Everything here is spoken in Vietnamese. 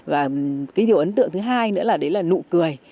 và cái điều ấn tượng thứ hai nữa là đấy là nụ cười